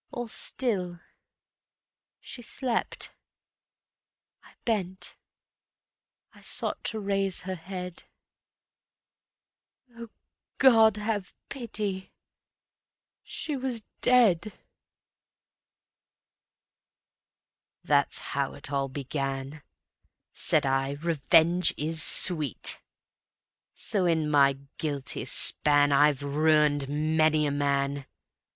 All still ... she slept ... I bent, I sought to raise her head ... "Oh, God, have pity!" she was dead. That's how it all began. Said I: Revenge is sweet. So in my guilty span I've ruined many a man.